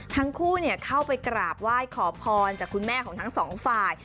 ทั้งคู่เข้าไปกราบไหว้ขอพรจากคุณแม่ของทั้งสองฝ่าย